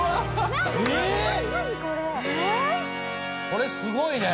これすごいね！